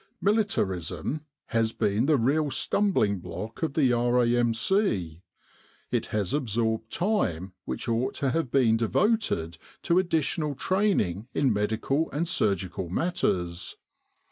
Militarism has been the real stumbling block of the R.A.M.C. It has absorbed time which ought to have been devoted to additional training in medical and surgical matters.